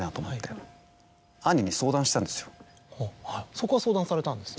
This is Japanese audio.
そこは相談されたんですね。